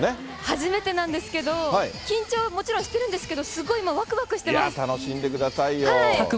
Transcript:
初めてなんですけど、緊張はもちろんしてるんですけど、すご楽しんでくださいよ。